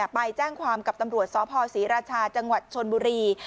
ไปแจ้งความกับตำรวจสพศรีราชาจังหวัดชนบุรี